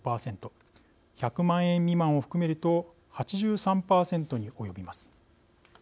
１００万円未満を含めると８３％に及びます。